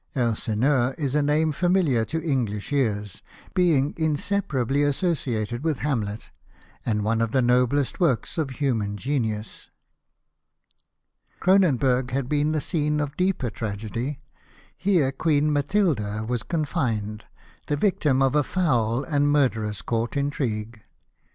Elsineur is a name familiar to English ears, being inseparably associated with Hamlet, and one ot the noblest work's of human genius. Cronenburg had been the scene of deeper tragedy. Here Queen Matilda was confined, the victim of a foul and murderous court intrigue.